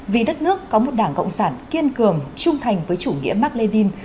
vì đất nước có một đảng cộng sản kiên cường trung thành với chủ nghĩa mạc lê đinh